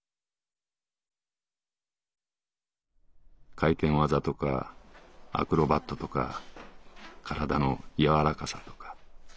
「回転技とかアクロバットとか身体の柔らかさとか。